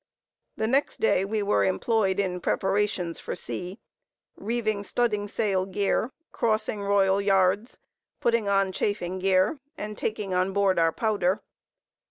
The next day we were employed in preparations for sea, reeving studding sail gear, crossing royal yards, putting on chafing gear, and taking on board our powder.